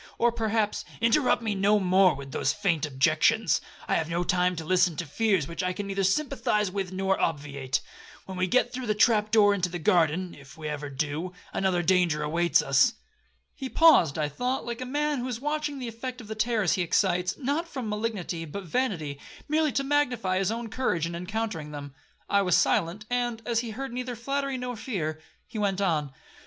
Or perhaps—' 'Interrupt me no more with those faint objections; I have no time to listen to fears which I can neither sympathise with or obviate. When we get through the trap door into the garden, (if ever we do), another danger awaits us.' He paused, I thought, like a man who is watching the effect of the terrors he excites, not from malignity but vanity, merely to magnify his own courage in encountering them. I was silent; and, as he heard neither flattery nor fear, he went on.